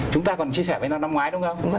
chúng ta còn chia sẻ với năm năm ngoái đúng không